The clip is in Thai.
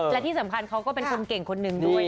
และที่สำคัญเขาก็เป็นคนเก่งคนหนึ่งด้วย